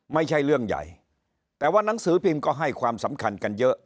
ไม่ใช่เรื่องใหญ่แต่ว่านังสือพิมพ์ก็ให้ความสำคัญกันเยอะ